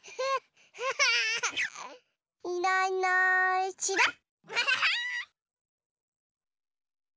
いないいないちらっ。